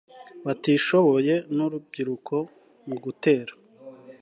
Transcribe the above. batishoboye n urubyiruko mu gutera